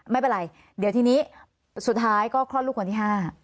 ไม่เป็นไรเดี๋ยวทีนี้สุดท้ายก็คลอดลูกคนที่๕